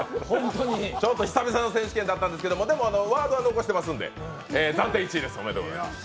久々の選手権だったんですけど、でも、ワードは残していますので、暫定１位です、おめでとうございます。